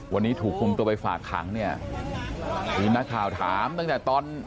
วันนี้ถูกคุมตัวไปฝากขังเนี่ยคือนักข่าวถามตั้งแต่ตอน